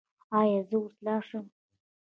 ایا زه اوس لاړ شم؟